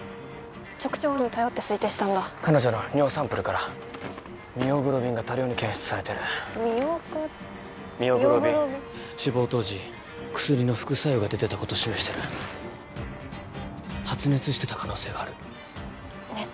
直腸温に頼って推定したんだ彼女の尿サンプルからミオグロビンが多量に検出されてるミオグロミオグロビンミオグロビン死亡当時薬の副作用が出てたこと示してる発熱してた可能性がある熱？